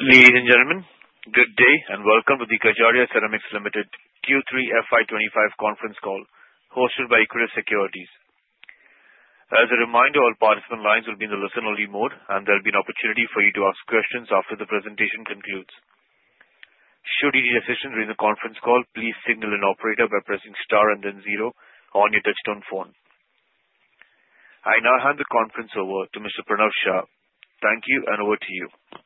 Ladies and gentlemen, good day and welcome to the Kajaria Ceramics Limited Q3 FY2025 Conference Call, hosted by Equirus Securities. As a reminder, all participant lines will be in the listen-only mode, and there'll be an opportunity for you to ask questions after the presentation concludes. Should you need assistance during the conference call, please signal an operator by pressing star and then zero on your touch-tone phone. I now hand the conference over to Mr. Pranav Kshatriya. Thank you, and over to you.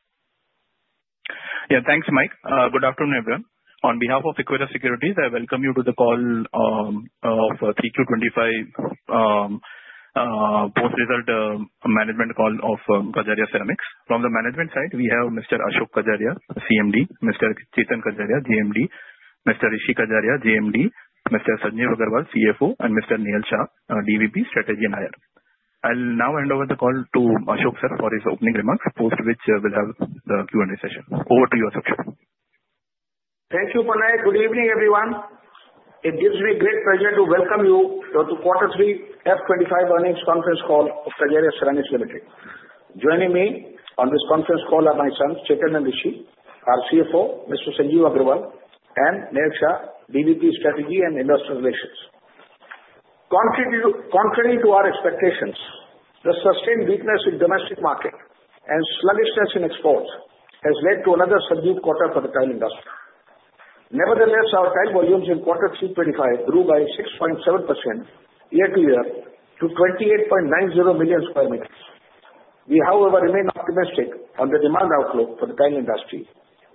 Yeah, thanks, Mike. Good afternoon, everyone. On behalf of Equirus Securities, I welcome you to the call for Q3 2025 post-result management call of Kajaria Ceramics. From the management side, we have Mr. Ashok Kajaria, CMD; Mr. Chetan Kajaria, JMD; Mr. Rishi Kajaria, JMD; Mr. Sanjeev Agarwal, CFO; and Mr. Nehal Shah, DVP, Strategy and IR. I'll now hand over the call to Ashok sir for his opening remarks, post which we'll have the Q&A session. Over to you, Ashok. Thank you, Pranav. Good evening, everyone. It gives me great pleasure to welcome you to the Q3 FY2025 earnings conference call of Kajaria Ceramics Limited. Joining me on this conference call are my sons, Chetan and Rishi, our CFO, Mr. Sanjeev Agarwal, and Nehal Shah, DVP, Strategy and Investor Relations. Contrary to our expectations, the sustained weakness in the domestic market and sluggishness in exports has led to another subdued quarter for the tile industry. Nevertheless, our tile volumes in Q3 FY2025 grew by 6.7% year to year to 28.90 million square meters. We, however, remain optimistic on the demand outlook for the tile industry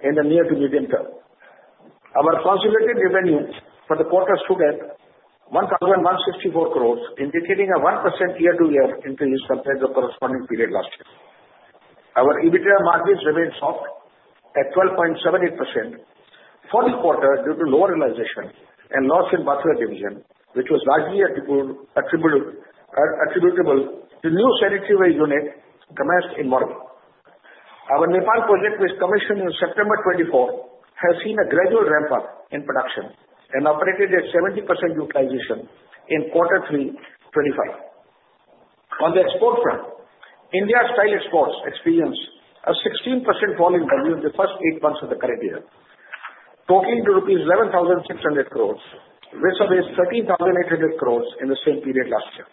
in the near to medium term. Our consolidated revenue for the quarter grew to 1,164 crores, indicating a 1% year to year increase compared to the corresponding period last year. Our EBITDA margins remain soft at 12.78% for the quarter due to lower realization and loss in bathroom division, which was largely attributable to new sanitary unit commenced in Morbi. Our Nepal project, which commissioned in September 2024, has seen a gradual ramp-up in production and operated at 70% utilization in Q3 2025. On the export front, India's tile exports experienced a 16% fall in value in the first eight months of the current year, totaling to ₹11,600 crores, which surpassed ₹13,800 crores in the same period last year.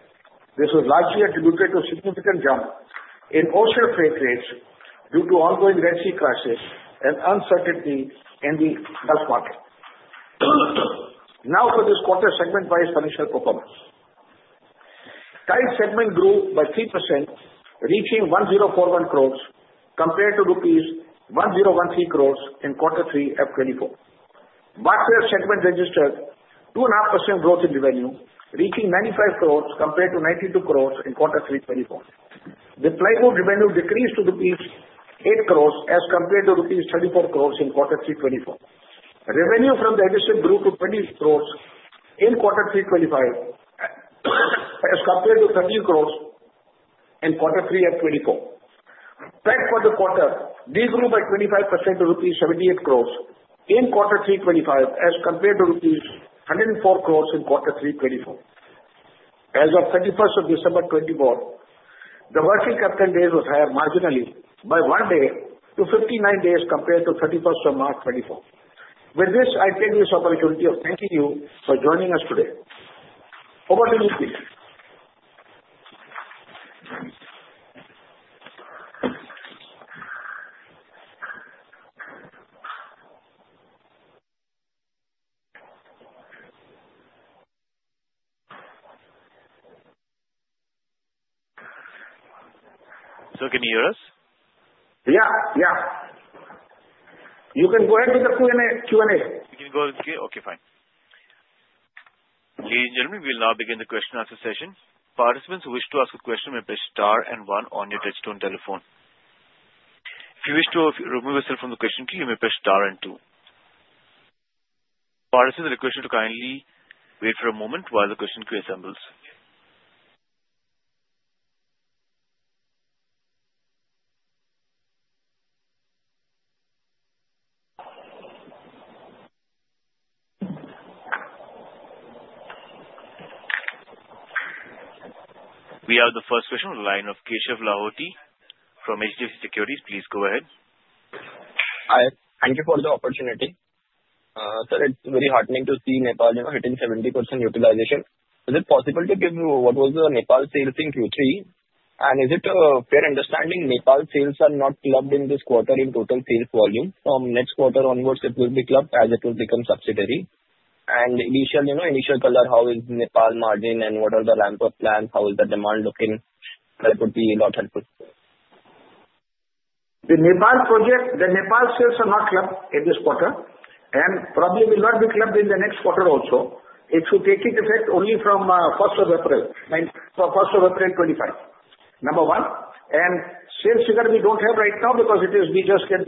This was largely attributed to a significant jump in ocean freight rates due to ongoing Red Sea crisis and uncertainty in the Gulf market. Now, for this quarter, segment-wise financial performance. Tile segment grew by 3%, reaching ₹1,041 crores compared to ₹1,013 crores in Q3 FY2024. Bathroom segment registered 2.5% growth in revenue, reaching 95 crores compared to 92 crores in Q3 2024. The plywood revenue decreased to rupees 8 crores as compared to rupees 34 crores in Q3 2024. Revenue from the adhesives grew to 20 crores in Q3 2025 as compared to 13 crores in Q3 FY2024. PAT for the quarter decreased by 25% to rupees 78 crores in Q3 2025 as compared to rupees 104 crores in Q3 2024. As of 31st of December 2024, the working capital days were higher marginally by one day to 59 days compared to 31st of March 2024. With this, I take this opportunity of thanking you for joining us today. Over to you, please. Sir, can you hear us? Yeah, yeah. You can go ahead with the Q&A, Q&A. Okay, fine. Ladies and gentlemen, we'll now begin the question-and-answer session. Participants who wish to ask a question may press star and one on your touch-tone telephone. If you wish to remove yourself from the question queue, you may press star and two. Participants, the request to kindly wait for a moment while the question queue assembles. We have the first question from the line of Keshav Lahoti from HDFC Securities. Please go ahead. Hi. Thank you for the opportunity. Sir, it's very heartening to see Nepal, you know, hitting 70% utilization. Is it possible to give you what was the Nepal sales in Q3? And is it a fair understanding Nepal sales are not clubbed in this quarter in total sales volume? From next quarter onwards, it will be clubbed as it will become subsidiary. And initial, you know, initial color, how is Nepal margin and what are the ramp-up plans? How is the demand looking? That would be a lot helpful. The Nepal project, the Nepal sales are not clubbed in this quarter and probably will not be clubbed in the next quarter also. It should take effect only from 1st of April 2019 for 1st of April 2025, number one. Sales figure we don't have right now because we just get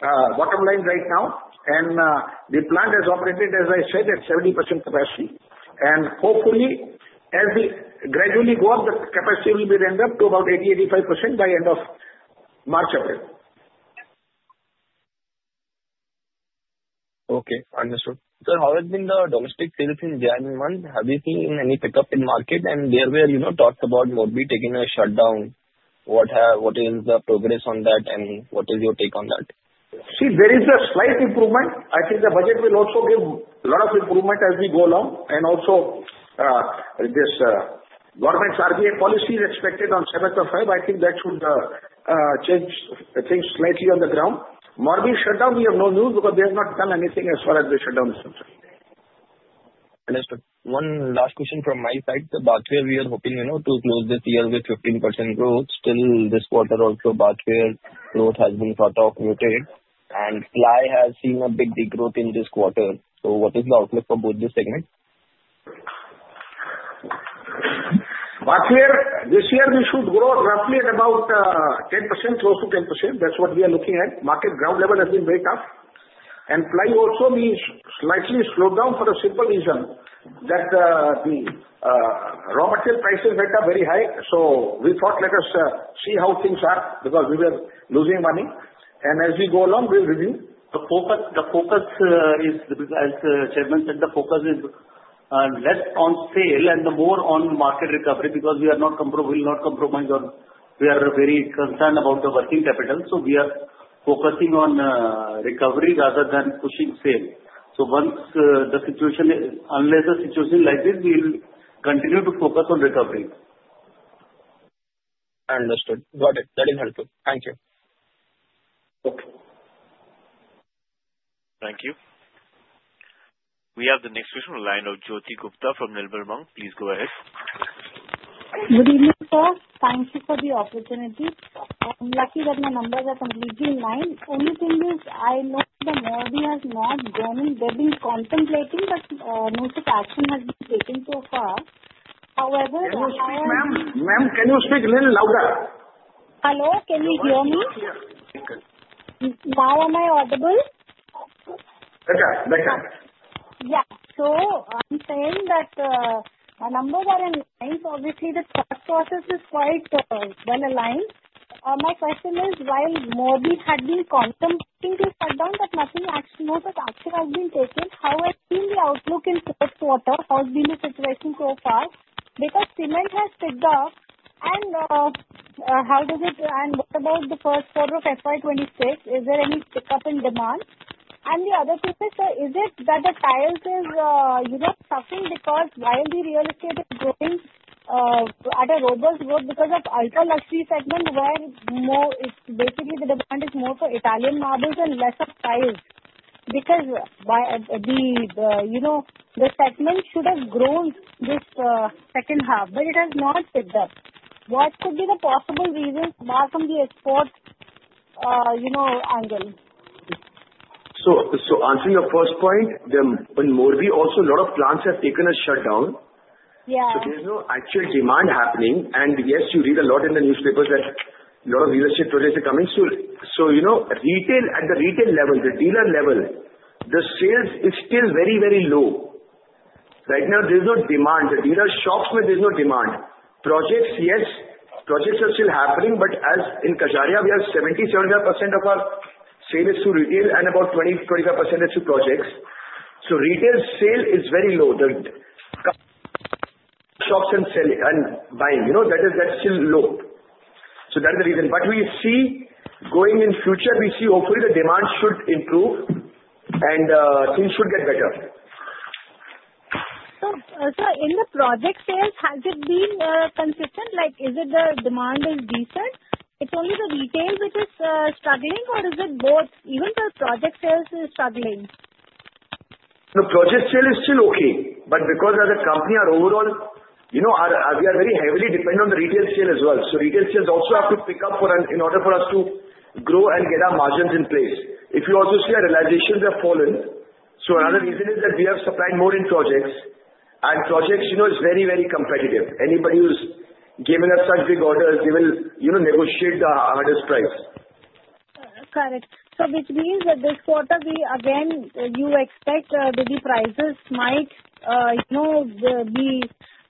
the bottom line right now. The plant has operated, as I said, at 70% capacity. Hopefully, as we gradually go up, the capacity will be ramped up to about 80%-85% by end of March/April. Okay, understood. Sir, how has been the domestic sales in January month? Have you seen any pickup in market? And there were, you know, talks about Morbi taking a shutdown. What is the progress on that and what is your take on that? See, there is a slight improvement. I think the budget will also give a lot of improvement as we go along. And also, this government RBI policy is expected on 7th of February. I think that should change things slightly on the ground. Morbi shutdown, we have no news because they have not done anything as far as the shutdown is concerned. Understood. One last question from my side. The bathware, we are hoping, you know, to close this year with 15% growth. Still, this quarter also, bathware growth has been sort of muted, and ply has seen a big degrowth in this quarter. So what is the outlook for both this segment? Bathware this year we should grow roughly at about 10%, close to 10%. That's what we are looking at. Market ground level has been very tough. And plywood also has slightly slowed down for a simple reason that raw material prices went up very high. So we thought let us see how things are because we were losing money. And as we go along we'll review. The focus as Chairman said is less on sales and more on market recovery because we are not going to compromise. We will not compromise on. We are very concerned about the working capital. So we are focusing on recovery rather than pushing sales. So unless the situation is like this we'll continue to focus on recovery. Understood. Got it. That is helpful. Thank you. Okay. Thank you. We have the next question from the line of Jyoti Gupta from Nirmal Bang. Please go ahead. Good evening, sir. Thank you for the opportunity. I'm lucky that my numbers are completely in line. The only thing is I know the Morbi has not grown. They've been contemplating, but no such action has been taken so far. However. Ma'am, ma'am, can you speak a little louder? Hello, can you hear me? Now am I audible? Yeah Yeah. So I'm saying that, my numbers are in line. So obviously, the cost pressures are quite well aligned. My question is, while Morbi had been contemplating to shut down, but no action, no notice of action has been taken, how has been the outlook in Q1? How's been the situation so far? Because cement has picked up and, how does it and what about the Q1 of FY2026? Is there any pickup in demand? And the other thing is, sir, is it that the tiles is, you know, suffering because while the real estate is growing at a robust growth because of ultra-luxury segment where more it's basically the demand is more for Italian marbles and less of tiles because by the, you know, the segment should have grown this second half, but it has not picked up. What could be the possible reasons more from the export, you know, angle? So, answering your first point, then when Morbi also, a lot of plants have taken a shutdown. Yeah. There's no actual demand happening. And yes, you read a lot in the newspapers that a lot of real estate projects are coming. So, you know, retail at the retail level, the dealer level, the sales is still very, very low. Right now, there's no demand. The dealer shops where there's no demand. Projects, yes, projects are still happening, but as in Kajaria, we have 70-75% of our sale is through retail and about 20-25% is through projects. So retail sale is very low. The shops and sell and buying, you know, that that's still low. So that is the reason. But we see going in future, we see hopefully the demand should improve and things should get better. So, sir, in the project sales, has it been consistent? Like, is the demand decent? Is it only the retail which is struggling, or is it both? Even the project sales is struggling. The project sale is still okay, but because, as a company, our overall, you know, our, we are very heavily dependent on the retail sale as well, so retail sales also have to pick up in order for us to grow and get our margins in place. If you also see, our realizations have fallen, so another reason is that we have supplied more in projects, and projects, you know, is very, very competitive. Anybody who's giving us such big orders, they will, you know, negotiate the hardest price. Correct. So which means that this quarter, we again expect the prices might, you know, there be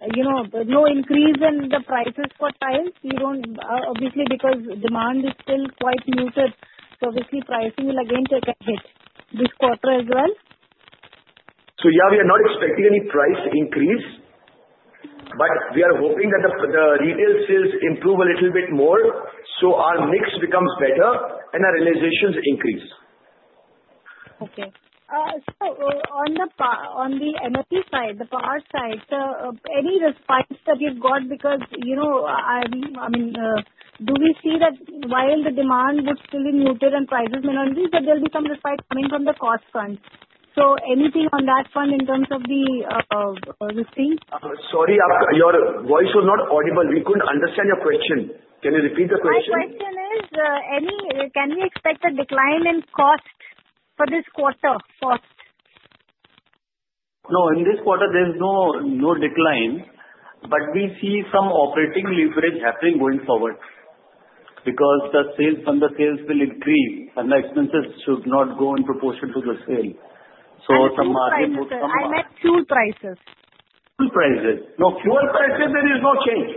no increase in the prices for tiles. We don't, obviously, because demand is still quite muted. So obviously, pricing will again take a hit this quarter as well. So yeah, we are not expecting any price increase, but we are hoping that the retail sales improve a little bit more so our mix becomes better and our realizations increase. Okay, so, on the P&F side, the Power side, sir, any response that you've got because, you know, I mean, I mean, do we see that while the demand would still be muted and prices may not increase, that there'll be some response coming from the cost front? So anything on that front in terms of the, this thing? Sorry, your voice was not audible. We couldn't understand your question. Can you repeat the question? My question is, can we expect any decline in cost for this quarter? Cost? No, in this quarter, there's no decline, but we see some operating leverage happening going forward because the sales will increase and the expenses should not go in proportion to the sale. So some margin would come up. I meant fuel prices. Fuel prices. No, fuel prices, there is no change.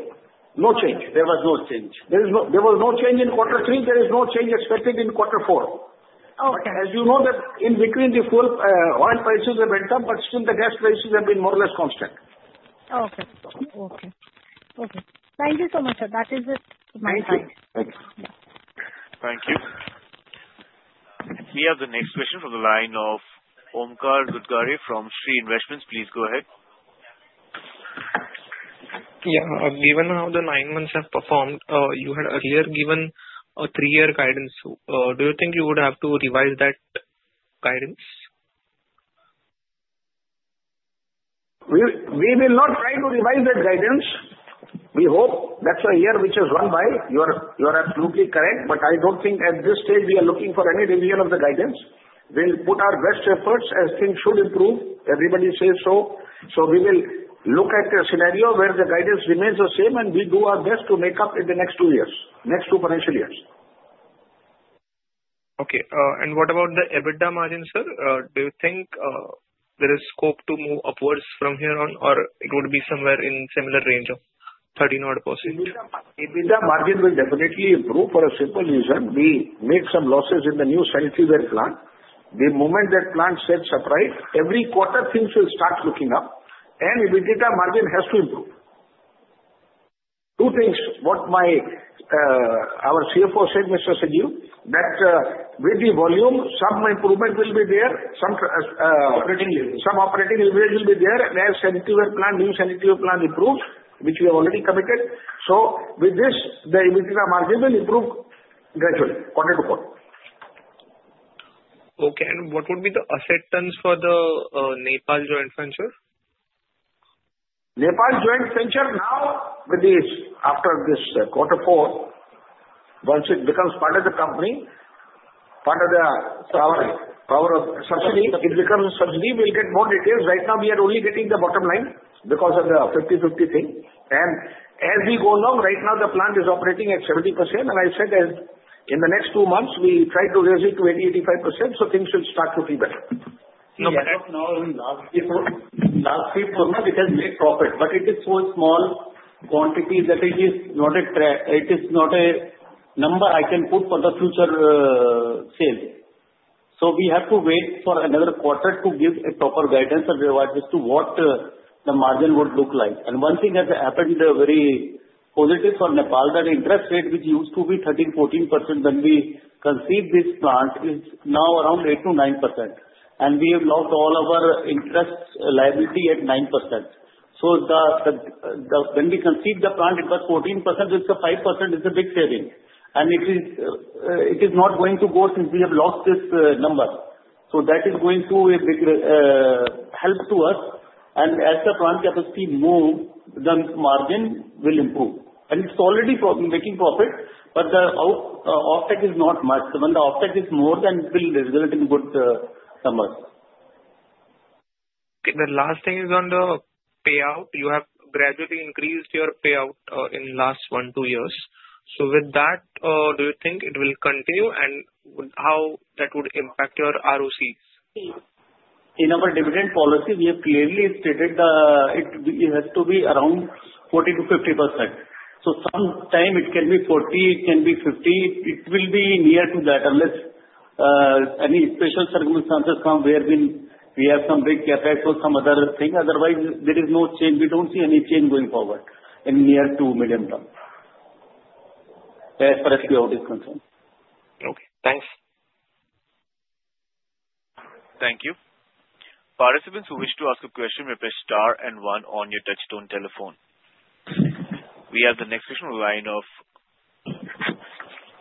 No change. There was no change in Q3. There is no change expected in Q4. Okay. But, as you know, that in between, the fuel oil prices have went up, but still the gas prices have been more or less constant. Okay. Thank you so much, sir. That is it my side. Thank you. Thank you. Thank you. We have the next question from the line of Omkar Ghugardare from Shree Investments. Please go ahead. Yeah. Given how the nine months have performed, you had earlier given a three-year guidance. Do you think you would have to revise that guidance? We will not try to revise that guidance. We hope that's a year which has run by. You are absolutely correct, but I don't think at this stage we are looking for any revision of the guidance. We'll put our best efforts as things should improve. Everybody says so. So we will look at the scenario where the guidance remains the same, and we do our best to make up in the next two years, next two financial years. Okay. And what about the EBITDA margin, sir? Do you think there is scope to move upwards from here on, or it would be somewhere in similar range of 13 or 14? EBITDA margin will definitely improve for a simple reason. We made some losses in the new sanitaryware plant. The moment that plant sets upright, every quarter things will start looking up, and EBITDA margin has to improve. Two things. What my, our CFO said, Mr. Sanjeev, that, with the volume, some improvement will be there. Some operating leverage will be there as sanitaryware plant, new sanitaryware plant improves, which we have already committed. So with this, the EBITDA margin will improve gradually, quarter to quarter. Okay. And what would be the asset turns for the Nepal Joint Venture? Nepal Joint Venture now, with this, after this Q4, once it becomes part of the company, part of the our subsidiary, it becomes a subsidiary. We'll get more details. Right now, we are only getting the bottom line because of the 50/50 thing. As we go along, right now, the plant is operating at 70%. I said that in the next two months, we try to raise it to 80%-85%, so things should start looking better. Yeah. Now, last week, we have made profit, but it is so small quantity that it is not a number I can put for the future sale. So we have to wait for another quarter to give a proper guidance and revise as to what the margin would look like, and one thing has happened very positive for Nepal, that interest rate, which used to be 13-14% when we conceived this plant, is now around 8-9%. And we have locked all of our interest liability at 9%. So when we conceived the plant, it was 14%. It's a 5%. It's a big saving, and it is not going to go since we have locked this number. So that is going to a big help to us. As the plant capacity moves, the margin will improve. It's already making profit, but the offtake is not much. When the offtake is more, then it will result in good numbers. Okay. The last thing is on the payout. You have gradually increased your payout, in the last one, two years. So with that, do you think it will continue and how that would impact your ROCE? In our dividend policy, we have clearly stated that it has to be around 40%-50%. Sometimes it can be 40; it can be 50. It will be near to that unless any special circumstances come. We have some big effect or some other thing. Otherwise, there is no change. We don't see any change going forward in near to medium term as far as payout is concerned. Okay. Thanks. Thank you. Participants who wish to ask a question may press star and one on your touch-tone telephone. We have the next question from the line of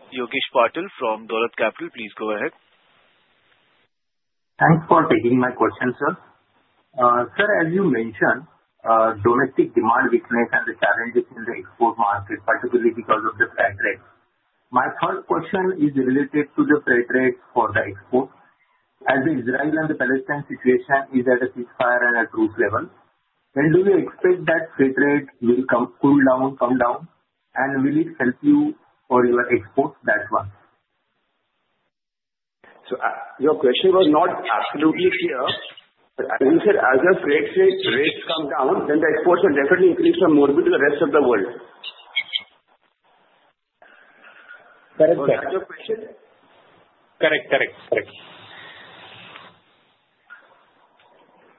Yogesh Patil from Dolat Capital. Please go ahead. Thanks for taking my question, sir. Sir, as you mentioned, domestic demand weakness and the challenges in the export market, particularly because of the freight rates. My first question is related to the freight rates for the export. As the Israel and the Palestine situation is at a ceasefire and a truce level, when do you expect that freight rate will come cool down, come down, and will it help you or your exports that much? So, your question was not absolutely clear. As you said, as the freight rates come down, then the exports will definitely increase from Morbi to the rest of the world. Correct. That's your question? Correct. Correct. Correct.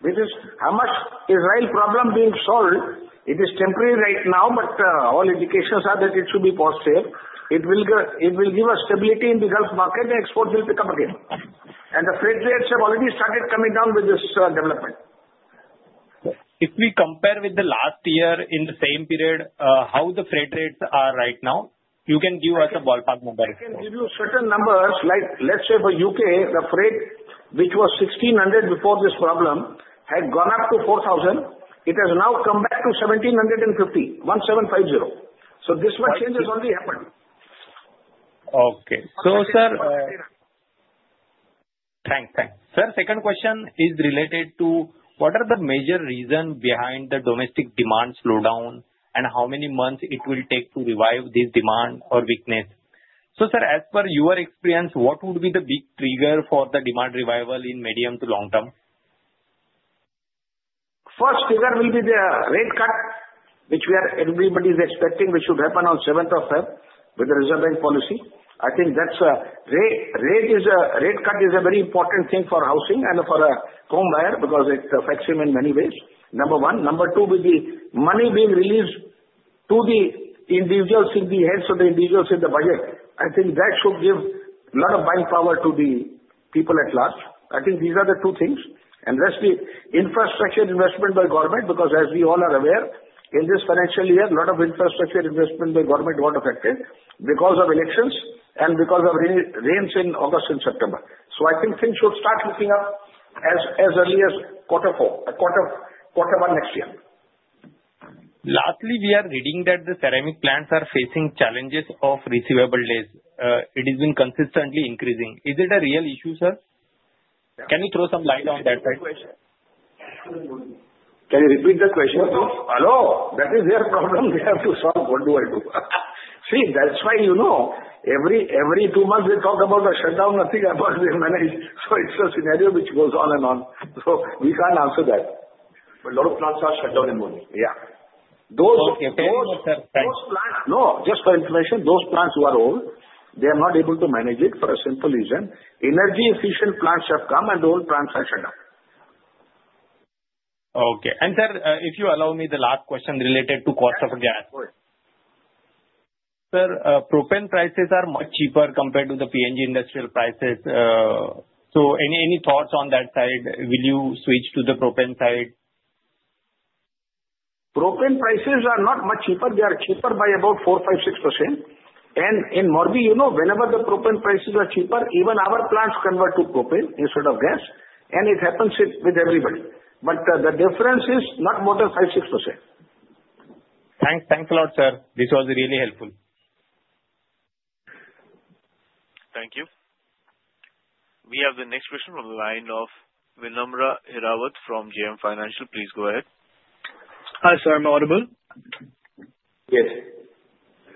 This is how the Israel problem is being solved. It is temporary right now, but all indications are that it should be positive. It will give us stability in the Gulf market, and exports will pick up again. The freight rates have already started coming down with this development. If we compare with the last year in the same period, how the flat rates are right now, you can give us a ballpark number? We can give you certain numbers. Like, let's say for UK, the freight, which was $1,600 before this problem, had gone up to $4,000. It has now come back to $1,750, $1,750. So this much changes only happened. Okay. So, sir. Thanks. Sir, second question is related to what are the major reasons behind the domestic demand slowdown and how many months it will take to revive this demand or weakness? So, sir, as per your experience, what would be the big trigger for the demand revival in medium to long term? First trigger will be the rate cut, which everybody is expecting, which should happen on 7th of February with the Reserve Bank of India policy. I think that's a rate cut is a very important thing for housing and for a home buyer because it affects him in many ways. Number one. Number two, with the money being released into the hands of the individuals in the budget. I think that should give a lot of buying power to the people at lag. I think these are the two things. Lastly, infrastructure investment by government because as we all are aware, in this financial year, a lot of infrastructure investment by government got affected because of elections and because of rains in August and September. So I think things should start looking up as early as Q4, Q1 next year. Lastly, we are reading that the ceramic plants are facing challenges of receivable days. It has been consistently increasing. Is it a real issue, sir? Can you throw some light on that side? Can you repeat the question? Hello. That is their problem. They have to solve. What do I do? See, that's why, you know, every two months, they talk about a shutdown. I think they manage. So it's a scenario which goes on and on. So we can't answer that. But a lot of plants are shut down in Morbi. Yeah. Those. Okay. Those plants. Those plants, no, just for information, those plants who are old, they are not able to manage it for a simple reason. Energy-efficient plants have come, and the old plants are shut down. Okay. And, sir, if you allow me, the last question related to cost of gas. Go ahead. Sir, propane prices are much cheaper compared to the PNG industrial prices. So any thoughts on that side? Will you switch to the propane side? Propane prices are not much cheaper. They are cheaper by about four, five, six %. And in Morbi, you know, whenever the propane prices are cheaper, even our plants convert to propane instead of gas, and it happens with everybody. But the difference is not more than five, six %. Thanks. Thanks a lot, sir. This was really helpful. Thank you. We have the next question from the line of Vinamra Hirawat from JM Financial. Please go ahead. Hi, sir. I'm Audible. Yes.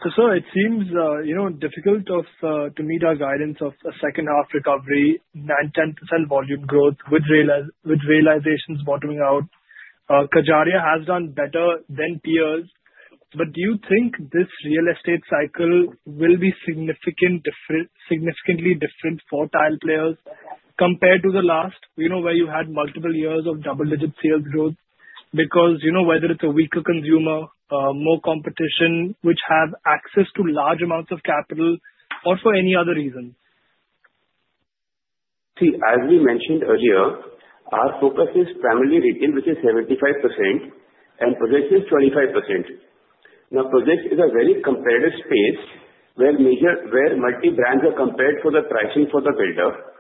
So, sir, it seems, you know, difficult to meet our guidance of a second-half recovery, 9-10% volume growth with realizations bottoming out. Kajaria has done better than peers. But do you think this real estate cycle will be significantly different for tile players compared to the last, you know, where you had multiple years of double-digit sales growth? Because, you know, whether it's a weaker consumer, more competition, which have access to large amounts of capital, or for any other reason? See, as we mentioned earlier, our focus is primarily retail, which is 75%, and project is 25%. Now, project is a very competitive space where major multi-brands are compared for the pricing for the builder.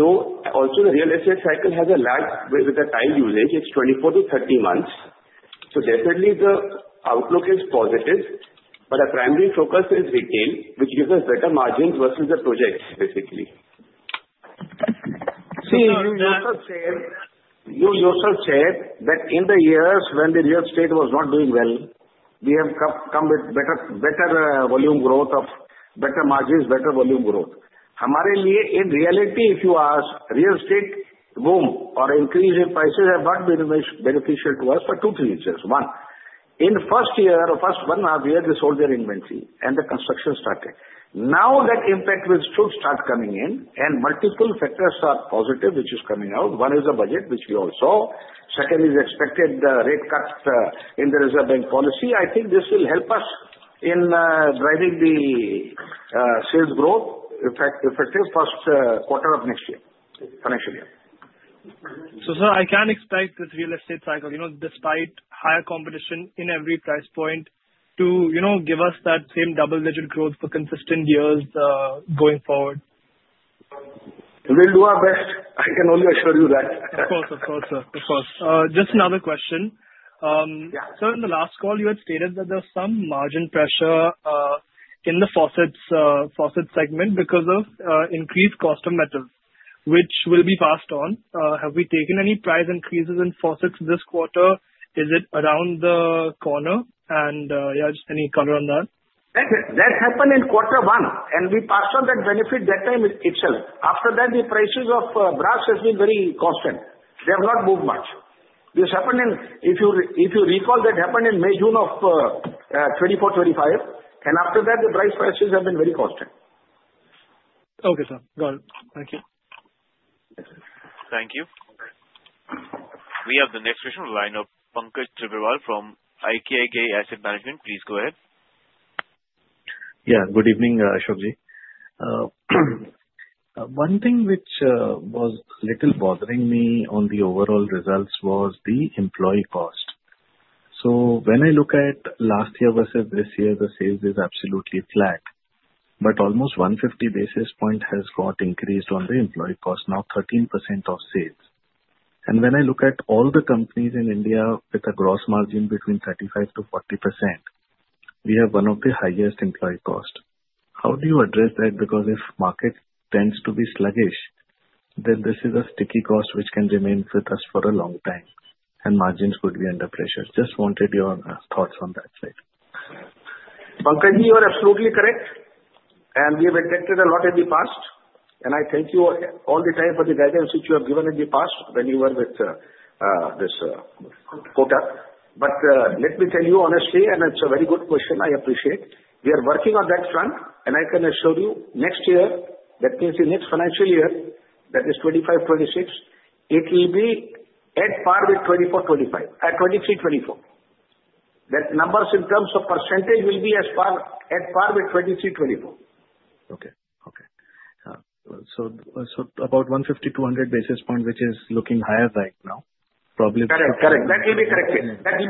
So also, the real estate cycle has a large with the tile usage. It's 24-30 months. So definitely, the outlook is positive, but our primary focus is retail, which gives us better margins versus the projects, basically. See, you yourself said that in the years when the real estate was not doing well, we have come with better volume growth, better margins, better volume growth. In reality, if you ask, real estate boom or increase in prices have not been beneficial to us for two reasons. One, in first year or first one and a half year, they sold their inventory and the construction started. Now, that impact should start coming in, and multiple factors are positive, which is coming out. One is the budget, which we all saw. Second is expected rate cuts in the Reserve Bank policy. I think this will help us in driving the sales growth, effective Q1 of next year, financial year. So, sir, I can't expect this real estate cycle, you know, despite higher competition in every price point, to, you know, give us that same double-digit growth for consistent years, going forward. We'll do our best. I can only assure you that. Of course. Of course, sir. Of course. Just another question. Yeah. Sir, in the last call, you had stated that there's some margin pressure in the faucets segment because of increased cost of metals, which will be passed on. Have we taken any price increases in faucets this quarter? Is it around the corner? And, yeah, just any color on that? That happened in Q1, and we passed on that benefit that time itself. After that, the prices of brass have been very constant. They have not moved much. This happened, if you recall, in May, June of 2024, 2025. After that, the brass prices have been very constant. Okay, sir. Got it. Thank you. Thank you. We have the next question from the line of Pankaj Tibrewal from ICICI Prudential Asset Management. Please go ahead. Yeah. Good evening, Ashok ji. One thing which was a little bothering me on the overall results was the employee cost. So when I look at last year versus this year, the sales is absolutely flat. But almost 150 basis points has got increased on the employee cost, now 13% of sales. And when I look at all the companies in India with a gross margin between 35% to 40%, we have one of the highest employee cost. How do you address that? Because if market tends to be sluggish, then this is a sticky cost which can remain with us for a long time, and margins could be under pressure. Just wanted your thoughts on that side. Pankaj ji, you are absolutely correct, and we have attempted a lot in the past, and I thank you all the time for the guidance which you have given in the past when you were with Kotak. But let me tell you honestly, and it's a very good question. I appreciate. We are working on that front, and I can assure you next year, that means the next financial year, that is 25, 26, it will be at par with 24, 25, 23, 24. Those numbers in terms of percentage will be at par with 23, 24. Okay, so about 150-200 basis points, which is looking higher right now. Probably. Correct. That will be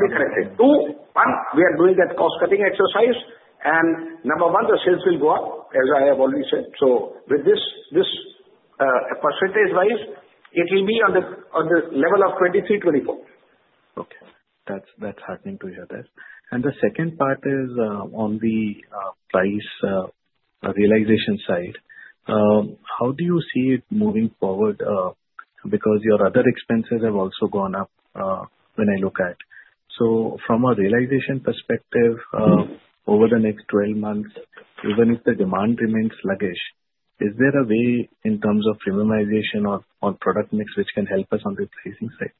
corrected. Two, one, we are doing that cost-cutting exercise. And number one, the sales will go up, as I have already said. So with this, percentage-wise, it will be on the level of 23%-24%. Okay. That's good to hear that, and the second part is on the price realization side. How do you see it moving forward, because your other expenses have also gone up, when I look at? So from a realization perspective, over the next 12 months, even if the demand remains sluggish, is there a way in terms of minimization on product mix which can help us on the pricing side?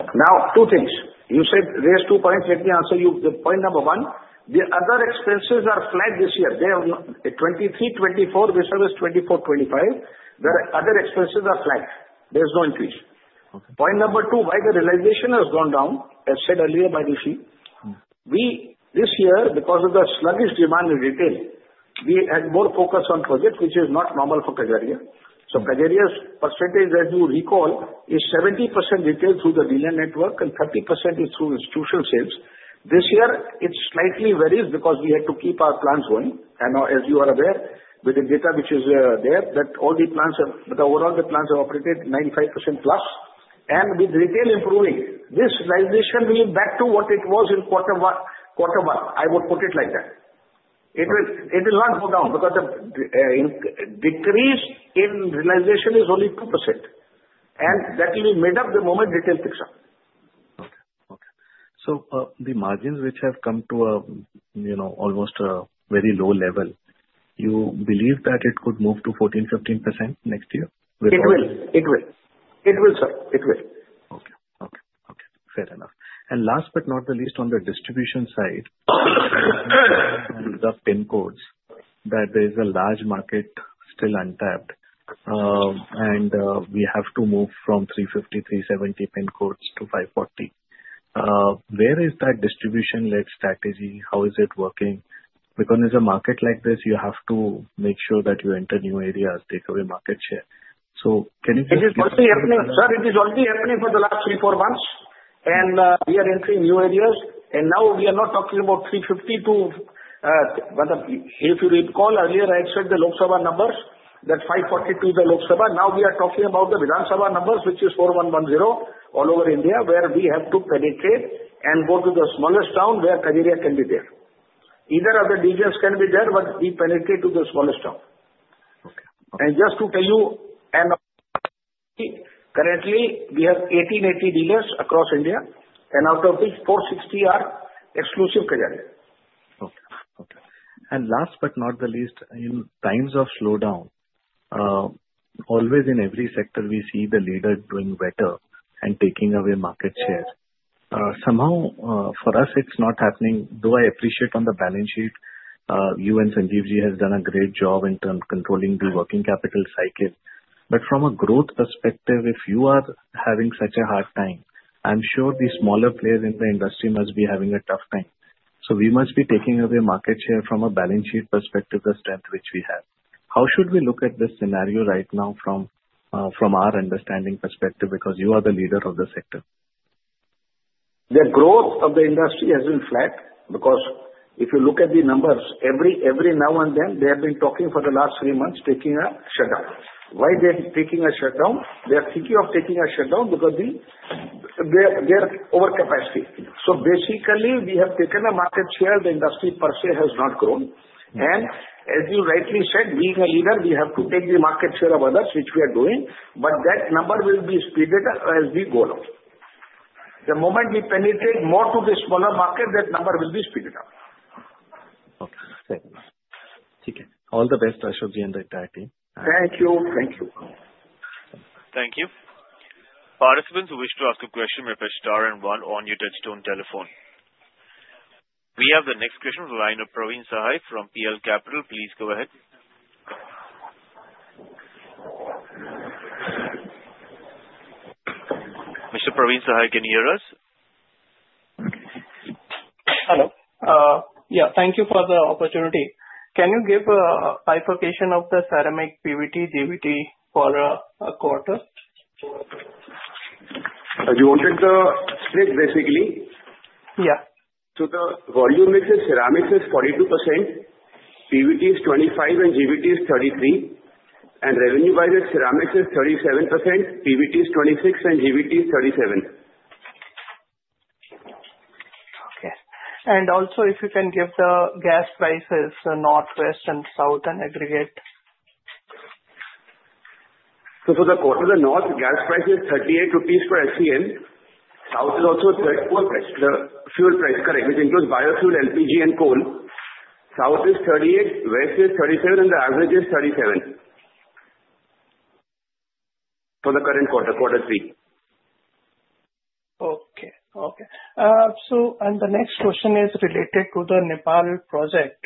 Now, two things. You said there's two points. Let me answer you. The point number one, the other expenses are flat this year. They are 23-24, this year is 24-25. The other expenses are flat. There's no increase. Okay. Point number two, why the realization has gone down, as said earlier by Rishi. Mm-hmm. Well, this year, because of the sluggish demand in retail, we had more focus on projects, which is not normal for Kajaria. Kajaria's percentage, as you recall, is 70% retail through the dealer network, and 30% is through institutional sales. This year, it slightly varies because we had to keep our plants going. And as you are aware, with the data which is there, that all the plants have but overall, the plants have operated 95% plus. And with retail improving, this realization will be back to what it was in Q1. I would put it like that. It will not go down because the decrease in realization is only 2%. And that will be made up the moment retail picks up. Okay. So, the margins which have come to a, you know, almost a very low level. You believe that it could move to 14%-15% next year with. It will. It will. It will, sir. It will. Okay. Fair enough. And last but not the least, on the distribution side and the PIN codes, that there is a large market still untapped, and we have to move from 350-370 PIN codes to 540. Where is that distribution-led strategy? How is it working? Because in a market like this, you have to make sure that you enter new areas, take away market share. So can you explain? It is already happening. Sir, it is already happening for the last three, four months. And we are entering new areas. And now we are not talking about 350 to, what the if you recall earlier, I said the Lok Sabha numbers, that 540 to the Lok Sabha. Now we are talking about the Vidhan Sabha numbers, which is 4110 all over India, where we have to penetrate and go to the smallest town where Kajaria can be there. Either of the dealers can be there, but we penetrate to the smallest town. Okay. Okay. Just to tell you, currently we have 1,880 dealers across India, and out of which 460 are exclusive Kajaria. Okay. Okay. And last but not the least, in times of slowdown, always in every sector, we see the leader doing better and taking away market share. Somehow, for us, it's not happening, though I appreciate on the balance sheet, you and Sanjeev ji has done a great job in terms controlling the working capital cycle. But from a growth perspective, if you are having such a hard time, I'm sure the smaller players in the industry must be having a tough time. So we must be taking away market share from a balance sheet perspective, the strength which we have. How should we look at this scenario right now from, from our understanding perspective? Because you are the leader of the sector. The growth of the industry has been flat because if you look at the numbers, every now and then, they have been talking for the last three months, taking a shutdown. Why they're taking a shutdown? They are thinking of taking a shutdown because they're over capacity. So basically, we have taken a market share. The industry per se has not grown. And as you rightly said, being a leader, we have to take the market share of others, which we are doing. But that number will be speeded as we go along. The moment we penetrate more to the smaller market, that number will be speeded up. Okay. Fair enough. Okay. All the best, Ashok ji, and the entire team. Thank you. Thank you. Thank you. Participants who wish to ask a question may press star and one on your touch-tone telephone. We have the next question from the line of Praveen Sahay from PL Capital. Please go ahead. Mr. Praveen Sahay, can you hear us? Hello. Yeah. Thank you for the opportunity. Can you give a bifurcation of the ceramic, PVT, GVT for a quarter? Do you want the split, basically? Yeah. So the volume is the ceramics is 42%, PVT is 25%, and GVT is 33%. And revenue by the ceramics is 37%, PVT is 26%, and GVT is 37%. Okay, and also, if you can give the gas prices, the north, west, and south, and aggregate. So for the quarter of the north, gas price is 38 rupees per SCM. South is also Q3, the fuel price. Correct. Which includes biofuel, LPG, and coal. South is 38, west is 37, and the average is 37 for the current quarter, Q3. The next question is related to the Nepal project.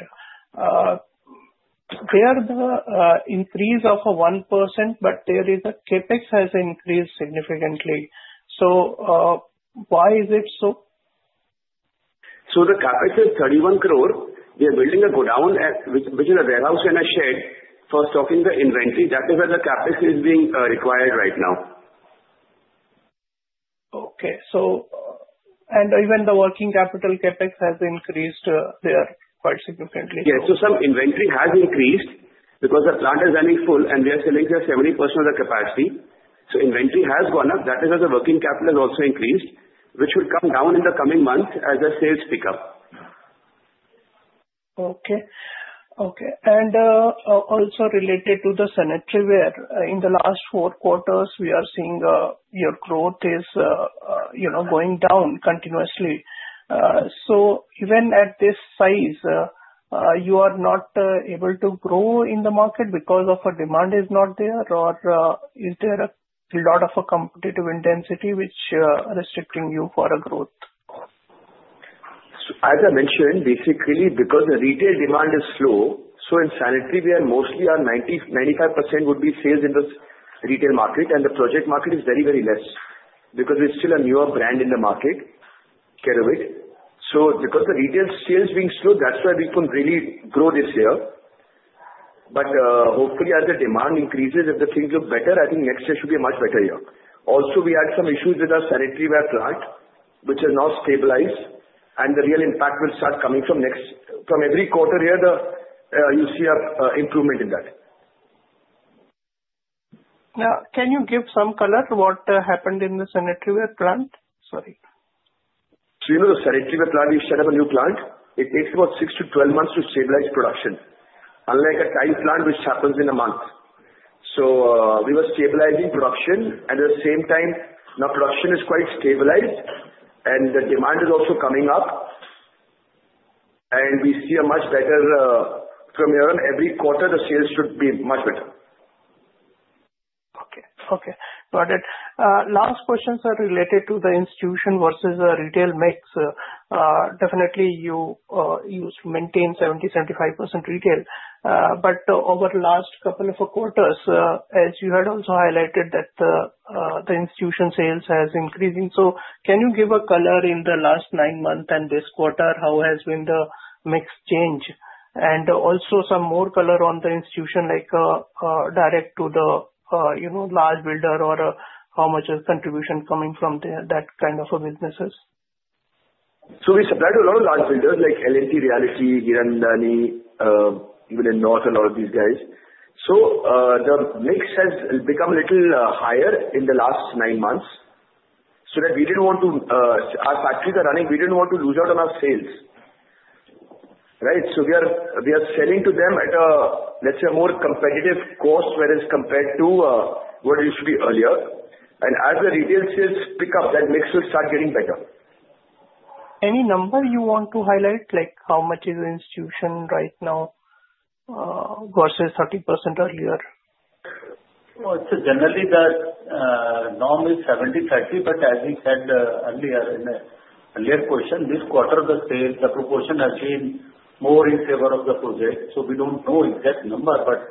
There, the increase of 1%, but there is a CAPEX has increased significantly. Why is it so? So the CAPEX is 31 crore. We are building a godown, which is a warehouse and a shed. First, talking the inventory, that is where the CAPEX is being required right now. Even the working capital CapEx has increased there quite significantly. Yes. So some inventory has increased because the plant is running full, and we are selling here 70% of the capacity. So inventory has gone up. That is where the working capital has also increased, which will come down in the coming months as the sales pick up. Okay. Okay. Also related to the sanitaryware, in the last four quarters, we are seeing your growth is, you know, going down continuously. So even at this size, you are not able to grow in the market because a demand is not there? Or is there a lot of competitive intensity which restricting you for a growth? As I mentioned, basically, because the retail demand is slow, so in sanitaryware mostly our 90%-95% would be sales in the retail market. And the project market is very, very less because it's still a newer brand in the market, Kerovit. So because the retail sales being slow, that's why we couldn't really grow this year. But hopefully as the demand increases and the things look better, I think next year should be a much better year. Also, we had some issues with our sanitaryware plant, which has now stabilized. And the real impact will start coming from next, every quarter here. You see an improvement in that. Yeah. Can you give some color to what happened in the sanitaryware plant? Sorry. So you know the sanitaryware plant, we set up a new plant. It takes about six to 12 months to stabilize production, unlike a tile plant which happens in a month. So, we were stabilizing production. At the same time, now production is quite stabilized, and the demand is also coming up. And we see a much better, from here on, every quarter the sales should be much better. Okay. Okay. Got it. Last questions, sir, related to the institutional versus the retail mix. Definitely you maintain 70%-75% retail. But over the last couple of quarters, as you had also highlighted that the institutional sales has increasing. So can you give a color in the last nine months and this quarter? How has been the mix change? And also some more color on the institutional, like, direct to the, you know, large builder or, how much is contribution coming from that kind of a businesses? So we supplied a lot of large builders like L&T Realty, Hiranandani, even in North, a lot of these guys. So, the mix has become a little higher in the last nine months. So that we didn't want to, our factories are running. We didn't want to lose out on our sales. Right? So we are selling to them at a, let's say, a more competitive cost whereas compared to what it used to be earlier. And as the retail sales pick up, that mix will start getting better. Any number you want to highlight? Like how much is the institutional right now, versus 30% earlier? So generally the norm is 70-30. But as we said earlier in the earlier question, this quarter the sales, the proportion has been more in favor of the project. So we don't know exact number, but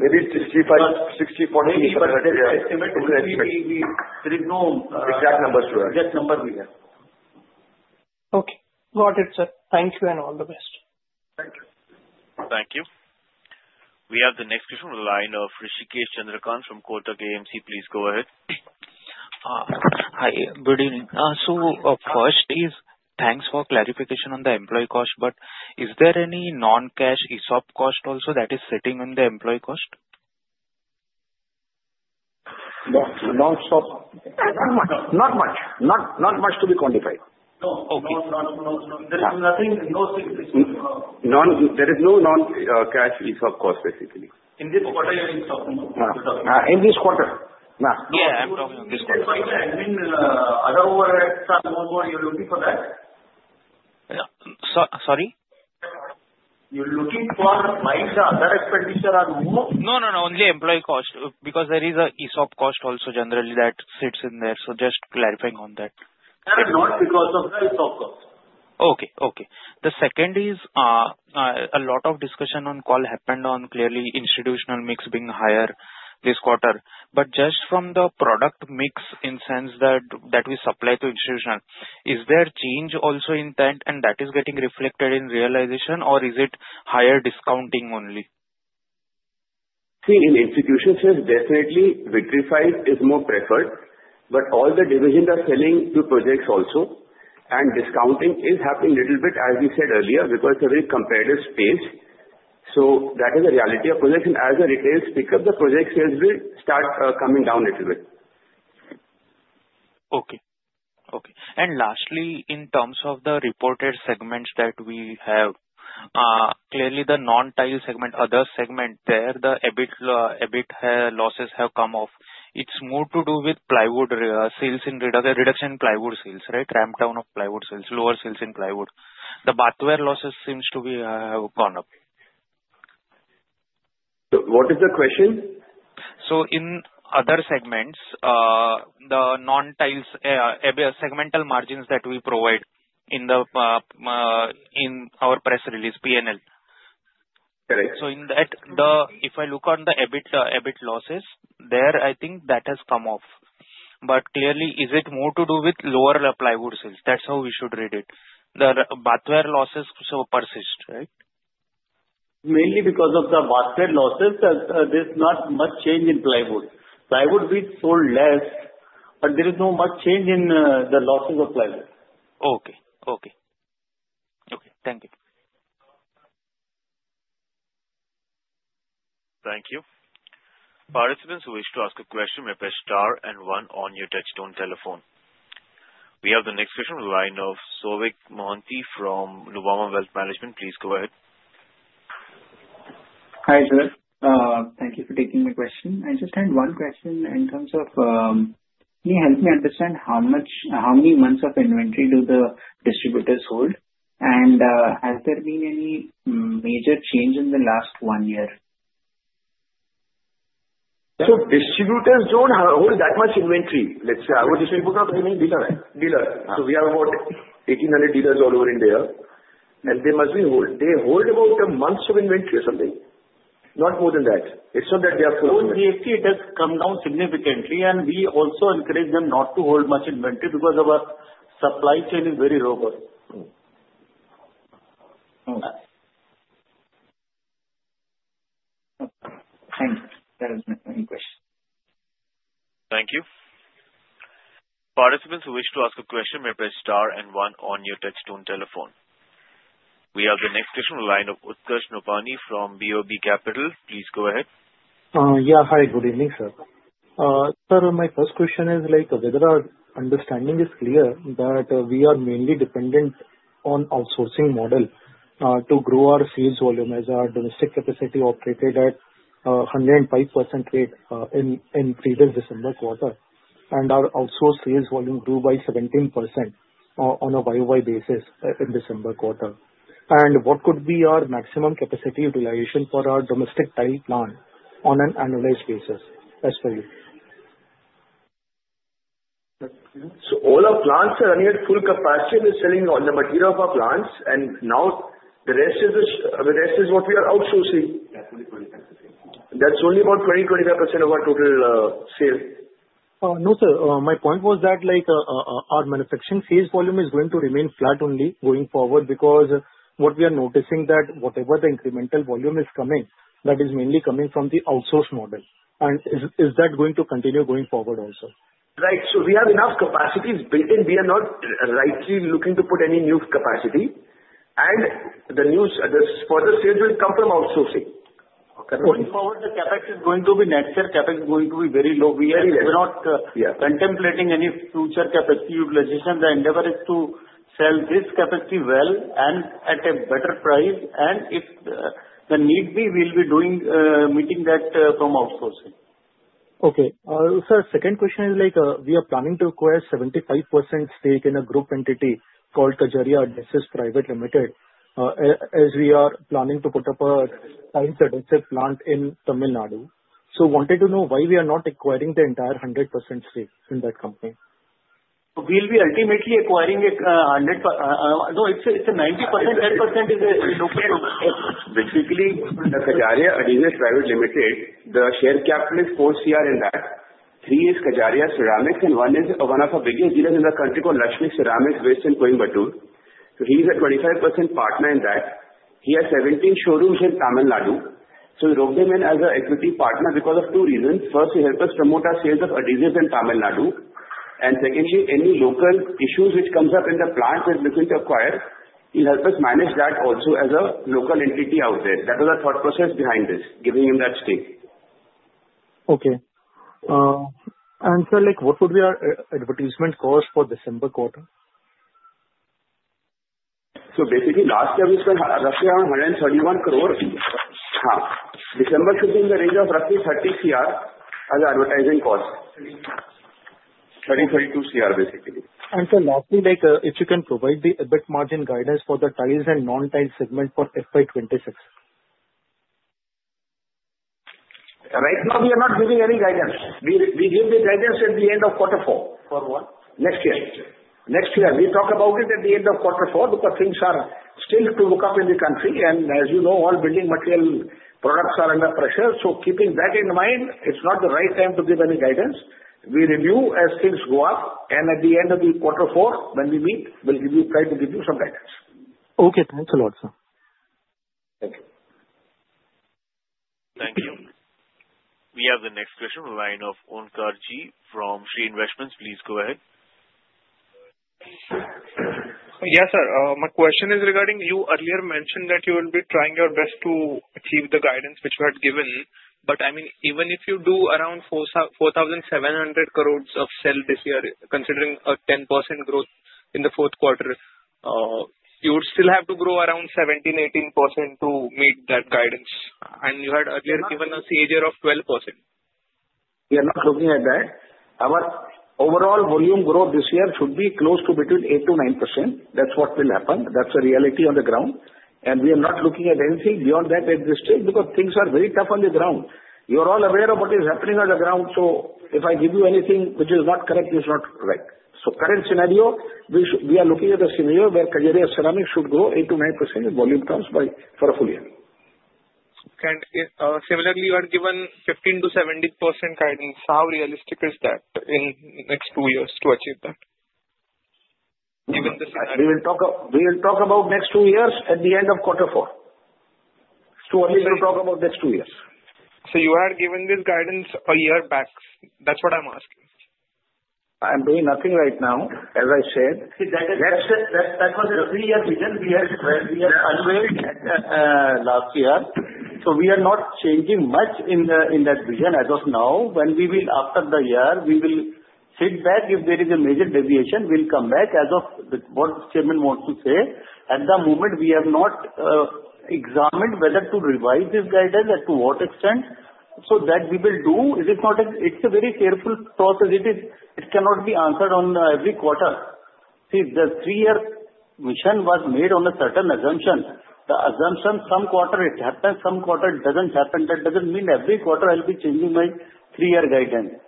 maybe 65-60-40-80% estimate to really we, we didn't know. Exact numbers you have. Exact number we have. Okay. Got it, sir. Thank you and all the best. Thank you. Thank you. We have the next question from the line of Rishikesh Chandra from Kotak AMC. Please go ahead. Hi. Good evening. So, first is thanks for clarification on the employee cost. But is there any non-cash ESOP cost also that is sitting in the employee cost? No, non-ESOP. Not much. Not much. Not much to be quantified. No. Okay. No, no, no, no. There is nothing. No, sir. No, there is no non-cash ESOP cost, basically. In this quarter, you're in ESOP. Nah. In this quarter. Nah. Yeah. I'm talking about this quarter. In this quarter. Is it like the admin, other overheads are more? You're looking for that? Yeah. Sorry? You're looking for my other expenditure or more? No, no, no. Only employee cost. Because there is a ESOP cost also generally that sits in there. So just clarifying on that. Not because of the ESOP cost. Okay. The second is, a lot of discussion on the call happened on clearly the institutional mix being higher this quarter. But just from the product mix in the sense that we supply to institutional, is there change also in that? And that is getting reflected in realization, or is it higher discounting only? See, in institutional sales, definitely vitrified size is more preferred. But all the divisions are selling to projects also. And discounting is happening a little bit, as we said earlier, because there is competitive space. So that is the reality of projects. And as the retailers pick up, the project sales will start coming down a little bit. Okay. And lastly, in terms of the reported segments that we have, clearly the non-tile segment, other segment there, the EBIT losses have come off. It's more to do with plywood sales, reduction in plywood sales, right? Ramp-down of plywood sales, lower sales in plywood. The bathware losses seem to have gone up. So what is the question? So in other segments, the non-tiles EBIT segmental margins that we provide in our press release P&L. Correct. So in that, then if I look on the EBIT, EBIT losses there, I think that has come off. But clearly, is it more to do with lower Plywood sales? That's how we should read it. The Bathware losses persist, right? Mainly because of the Bathware losses, there's not much change in plywood. Plywood we sold less, but there is no much change in the losses of plywood. Okay. Thank you. Thank you. Participants who wish to ask a question may press star and one on your touch-tone telephone. We have the next question from the line of Souvik Mohanty from Nuvama Wealth Management. Please go ahead. Hi, sir. Thank you for taking my question. I just had one question in terms of, can you help me understand how much, how many months of inventory do the distributors hold? And, has there been any major change in the last one year? Distributors don't hold that much inventory. Let's say our distributors are very many dealers, right? Dealers. So we have about 1,800 dealers all over India. And they hold about a month's of inventory or something. Not more than that. It's not that they are full. So we see it has come down significantly. And we also encourage them not to hold much inventory because our supply chain is very robust. Okay. Thank you. That is my only question. Thank you. Participants who wish to ask a question may press star and one on your touch-tone telephone. We have the next question from the line of Utkarsh Nopany from BOB Capital. Please go ahead. Hi. Good evening, sir. Sir, my first question is, like, whether our understanding is clear that we are mainly dependent on outsourcing model to grow our sales volume as our domestic capacity operated at 105% rate in previous December quarter. And our outsourced sales volume grew by 17% on a YOY basis in December quarter. And what could be our maximum capacity utilization for our domestic tile plant on an annualized basis? That's for you. All our plants are running at full capacity and we're selling all the material of our plants. Now the rest is what we are outsourcing. That's only about 20-25% of our total sale. No, sir. My point was that, like, our manufacturing sales volume is going to remain flat only going forward because what we are noticing that whatever the incremental volume is coming, that is mainly coming from the outsource model. And is that going to continue going forward also? Right. So we have enough capacities built in. We are not looking to put any new capacity. And the further sales will come from outsourcing. Okay. Going forward, the net CAPEX is going to be very low. We are not contemplating any future capacity expansion. The endeavor is to sell this capacity well and at a better price, and if need be, we'll be meeting that from outsourcing. Okay. Sir, second question is, like, we are planning to acquire 75% stake in a group entity called Kajaria Adhesives Private Limited, as we are planning to put up an adhesive plant in Tamil Nadu. So wanted to know why we are not acquiring the entire 100% stake in that company. We'll be ultimately acquiring a 100%. No, it's a 90%. 10% is, you know, basically, Kajaria Adhesives Private Limited, the share capital is 4 CR in that. Three is Kajaria Ceramics, and one is one of the biggest dealers in the country called Lakshmi Ceramics based in Coimbatore. So he's a 25% partner in that. He has 17 showrooms in Tamil Nadu. So we roped him in as an equity partner because of two reasons. First, he helped us promote our sales of adhesives in Tamil Nadu. And secondly, any local issues which comes up in the plant we're looking to acquire, he'll help us manage that also as a local entity out there. That was the thought process behind this, giving him that stake. Okay. And sir, like, what would be our advertisement cost for December quarter? So basically, last year, we spent roughly around 131 crore. December should be in the range of roughly 30 crore as an advertising cost. 30 crore-32 crore, basically. Sir, lastly, like, if you can provide the EBIT margin guidance for the tiles and non-tiles segment for FY2026? Right now, we are not giving any guidance. We give the guidance at the end of Q4. For what? Next year. We talk about it at the end of Q4 because things are still to look up in the country, and as you know, all building material products are under pressure, so keeping that in mind, it's not the right time to give any guidance. We review as things go up, and at the end of Q4, when we meet, we'll try to give you some guidance. Okay. Thanks a lot, sir. Thank you. Thank you. We have the next question from the line of Omkar Ghugardare from Shree Investments. Please go ahead. Yes, sir. My question is regarding you earlier mentioned that you will be trying your best to achieve the guidance which you had given, but I mean, even if you do around 4,000-4,700 crores of sale this year, considering a 10% growth in the Q4, you would still have to grow around 17-18% to meet that guidance, and you had earlier given a CAGR of 12%. We are not looking at that. Our overall volume growth this year should be close to between 8% to 9%. That's what will happen. That's a reality on the ground. We are not looking at anything beyond that existing because things are very tough on the ground. You are all aware of what is happening on the ground. So if I give you anything which is not correct, it's not right. So current scenario, we are looking at a scenario where Kajaria Ceramics should grow 8% to 9% in volume terms for a full year. Similarly, you had given 15%-17% guidance. How realistic is that in the next two years to achieve that, given the scenario? We will talk about next two years at the end of Q4. So only we'll talk about next two years. So you had given this guidance a year back. That's what I'm asking. I'm doing nothing right now, as I said. That's what the three-year vision we had unveiled last year. So we are not changing much in that vision as of now. When we will, after the year, we will sit back. If there is a major deviation, we'll come back as of what Chairman wants to say. At the moment, we have not examined whether to revise this guidance and to what extent. So that we will do. It's a very careful process. It cannot be answered on every quarter. See, the three-year mission was made on a certain assumption. The assumption, some quarter it happens, some quarter it doesn't happen. That doesn't mean every quarter I'll be changing my three-year guidance.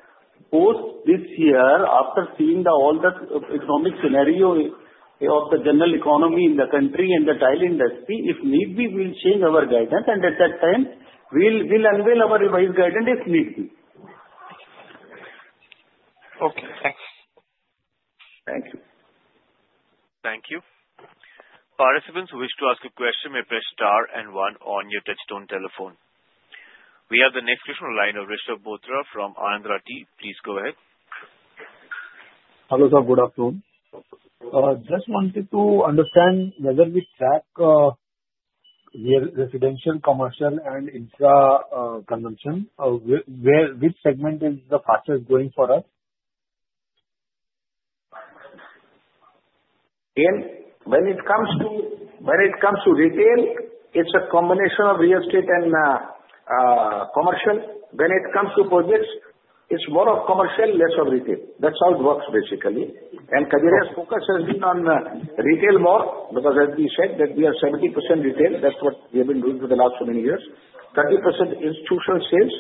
Post this year, after seeing all the economic scenario of the general economy in the country and the tile industry, if need be, we'll change our guidance. And at that time, we'll unveil our revised guidance if need be. Okay. Thanks. Thank you. Thank you. Participants who wish to ask a question may press star and one on your touchtone telephone. We have the next question from the line of Rishab Bothra from Anand Rathi. Please go ahead. Hello, sir. Good afternoon. Just wanted to understand whether we track residential, commercial, and infra consumption. Where which segment is the fastest growing for us? When it comes to retail, it's a combination of real estate and commercial. When it comes to projects, it's more of commercial, less of retail. That's how it works, basically. And Kajaria's focus has been on retail more because, as we said, that we are 70% retail. That's what we have been doing for the last so many years. 30% institutional sales.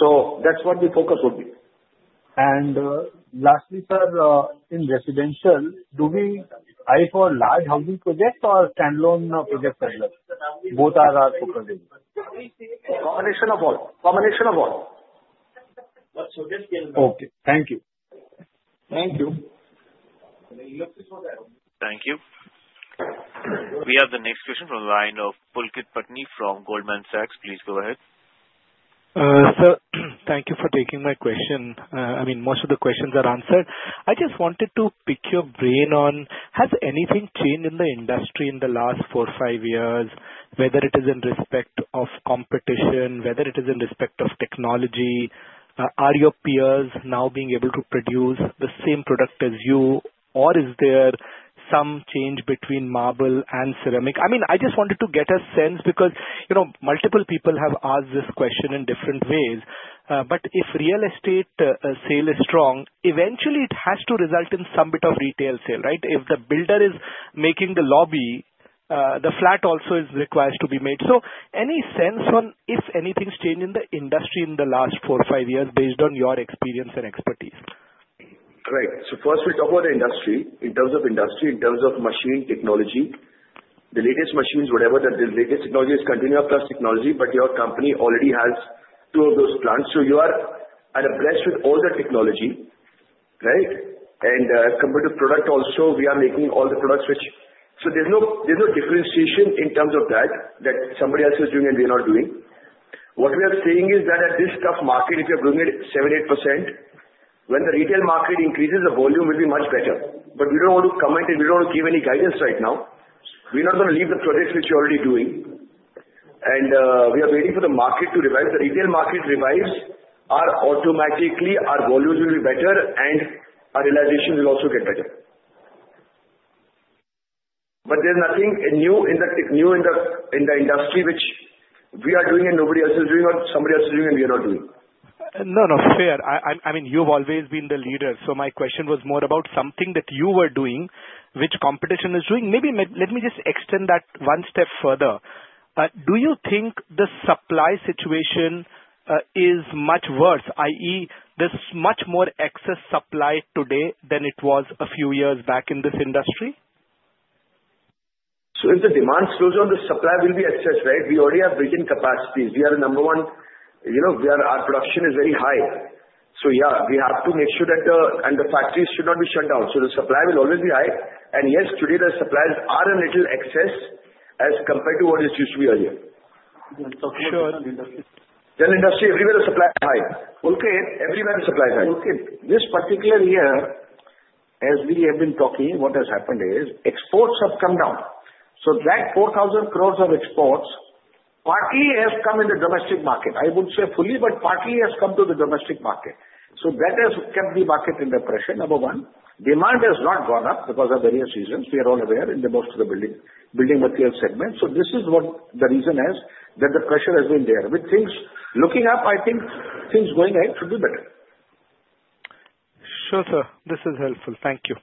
So that's what the focus will be. Lastly, sir, in residential, do we aim for large housing projects or standalone projects as well? Both are our focus area. Combination of all. Combination of all. Okay. Thank you. Thank you. Thank you. We have the next question from the line of Pulkit Patni from Goldman Sachs. Please go ahead. Sir, thank you for taking my question. I mean, most of the questions are answered. I just wanted to pick your brain on, has anything changed in the industry in the last four, five years, whether it is in respect of competition, whether it is in respect of technology? Are your peers now being able to produce the same product as you, or is there some change between marble and ceramic? I mean, I just wanted to get a sense because, you know, multiple people have asked this question in different ways. But if real estate, sale is strong, eventually it has to result in some bit of retail sale, right? If the builder is making the lobby, the flat also is required to be made. So any sense on if anything's changed in the industry in the last four, five years based on your experience and expertise? Correct. First, we talk about the industry. In terms of industry, in terms of machine technology, the latest machines, whatever the latest technology is, Continua+ technology. But your company already has two of those plants. So you are at par with all the technology, right? And compared to product also, we are making all the products, so there's no differentiation in terms of that, that somebody else is doing and we are not doing. What we are saying is that at this tough market, if you're doing it 7-8%, when the retail market increases, the volume will be much better. But we don't want to comment and we don't want to give any guidance right now. We're not going to leave the projects which you're already doing. We are waiting for the market to revive. The retail market revives, automatically, our volumes will be better, and our realization will also get better. But there's nothing new in the industry which we are doing and nobody else is doing or somebody else is doing and we are not doing. No, no. Fair. I, I mean, you've always been the leader. So my question was more about something that you were doing, which competition is doing. Maybe let me just extend that one step further. Do you think the supply situation is much worse, i.e., there's much more excess supply today than it was a few years back in this industry? So if the demand slows down, the supply will be excess, right? We already have built-in capacities. We are the number one. You know, our production is very high. So yeah, we have to make sure that, and the factories should not be shut down. So the supply will always be high. And yes, today the supplies are a little excess as compared to what it used to be earlier. Yeah. Talking about the industry. The industry, everywhere the supply is high. Okay. This particular year, as we have been talking, what has happened is exports have come down, so that 4,000 crores of exports partly has come in the domestic market. I wouldn't say fully, but partly has come to the domestic market, so that has kept the market in depression, number one. Demand has not gone up because of various reasons. We are all aware in most of the building material segment. This is what the reason is that the pressure has been there. With things looking up, I think things going ahead should be better. Sure, sir. This is helpful. Thank you.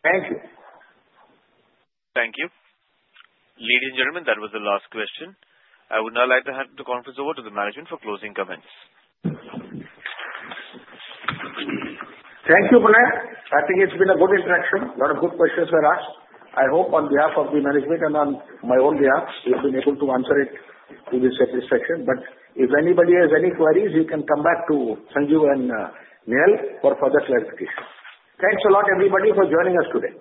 Thank you. Thank you. Ladies and gentlemen, that was the last question. I would now like to hand the conference over to the management for closing comments. Thank you, Pranav. I think it's been a good interaction. A lot of good questions were asked. I hope on behalf of the management and on my own behalf, we have been able to answer it to your satisfaction. But if anybody has any queries, you can come back to Sanjeev and Nehal for further clarification. Thanks a lot, everybody, for joining us today.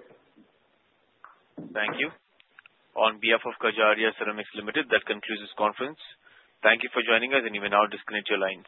Thank you. On behalf of Kajaria Ceramics Limited, that concludes this conference. Thank you for joining us, and you may now disconnect your lines.